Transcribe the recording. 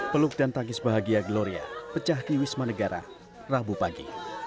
peluk dan tangis bahagia gloria pecah di wisma negara rabu pagi